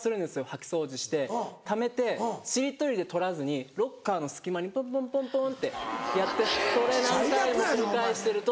掃き掃除してためてチリ取りで取らずにロッカーの隙間にポンポンポンポンってやってそれ何回も繰り返してると。